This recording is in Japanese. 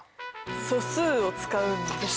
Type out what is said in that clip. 素数を使うんです！